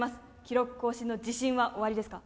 記録更新の自信はおありですか？